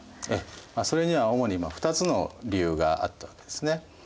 それには主に２つの理由があったわけですね。